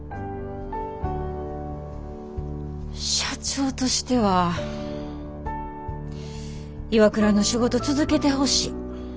社長としてはＩＷＡＫＵＲＡの仕事続けてほしい。